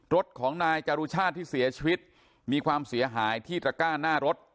รถของนายจรุชาติที่เสียชีวิตมีความเสียหายที่ตระก้าหน้ารถ